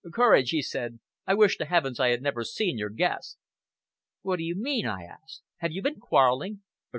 "Courage," he said, "I wish to heavens I had never seen your guest!" "What do you mean?" I asked. "Have you been quarrelling?"